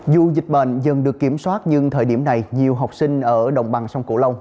dù dịch bệnh dần được kiểm soát nhưng thời điểm này nhiều học sinh ở đồng bằng sông cửu long